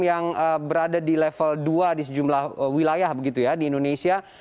yang berada di level dua di sejumlah wilayah begitu ya di indonesia